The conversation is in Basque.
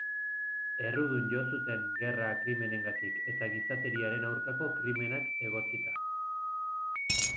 Errudun jo zuten gerra krimenengatik eta gizateriaren aurkako krimenak egotzita.